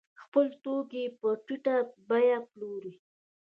خپل توکي په ټیټه بیه پلوري.